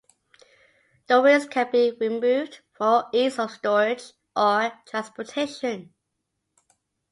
The wings can be removed for ease of storage or transportation.